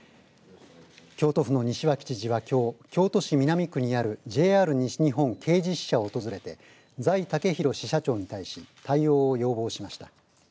京都府の西脇知事はきょう京都市南区にあるＪＲ西日本京滋支社を訪れて財剛啓支社長に対し対応を要望しました。